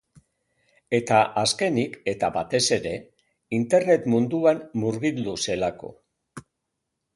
Eta azkenik, eta batez ere, internet munduan murgildu zelako.